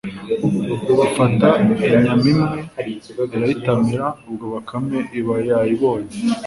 ifata inyama imwe irayitamira, ubwo bakame iba yayibonye